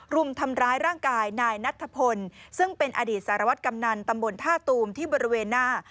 รุมทำร้ายร่างกายนายนัทธพลซึ่งเป็นอดีตสารวัตรกำนันตำบลท่าตูมที่บริเวณหน้า